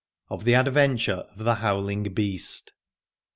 OF THE ADVENTURE OF THE HOWLING BEAST.